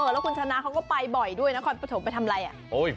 แล้วคุณชนะเขาก็ไปบ่อยด้วยนครปฐมไปทำอะไรอ่ะ